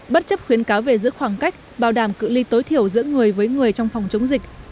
bất chấp khuyến cáo về giữ khoảng cách bảo đảm cự ly tối thiểu giữa người với người trong phòng chống dịch